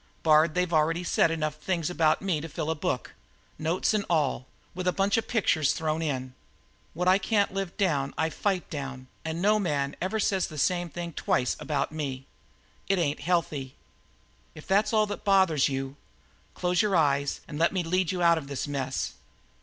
Bard, they've already said enough things about me to fill a book notes and all, with a bunch of pictures thrown in. What I can't live down I fight down, and no man never says the same thing twice about me. It ain't healthy. If that's all that bothers you, close your eyes and let me lead you out of this mess."